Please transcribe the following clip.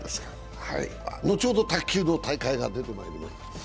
後ほど卓球の大会が出てまいります。